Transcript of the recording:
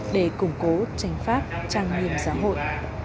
để củng cố tránh pháp trang nghiêm giáo hội